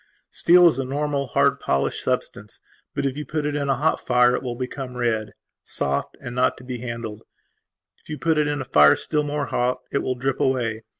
Steel is a normal, hard, polished substance. But, if you put it in a hot fire it will become red, soft, and not to be handled. If you put it in a fire still more hot it will drip away.